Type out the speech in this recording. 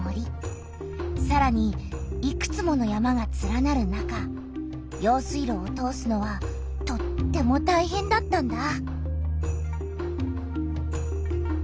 さらにいくつもの山がつらなる中用水路を通すのはとってもたいへんだったんだ。